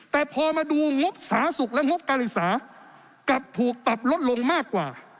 แต่พอมาดูงบสาธารณสุขและงบการศึกษากลับถูกปรับลดลงมากกว่า